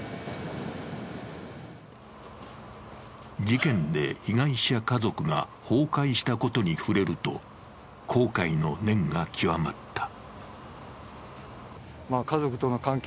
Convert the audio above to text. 事件で被害者家族が崩壊したことに触れると後悔の念が極まった。